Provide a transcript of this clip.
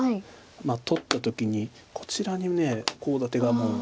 取った時にこちらにコウ立てがもう。